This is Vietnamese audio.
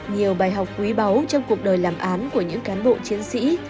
nhiều bài học quý báu trong cuộc đời làm án của những cán bộ chiến sĩ